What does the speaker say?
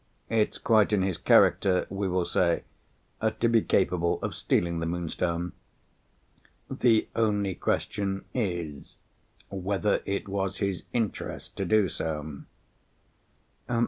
It's quite in his character, we will say, to be capable of stealing the Moonstone. The only question is, whether it was his interest to do so."